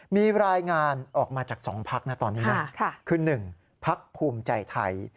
มีรายงานออกมาจาก๒พักนะตอนนี้นะคือ๑พักภูมิใจไทย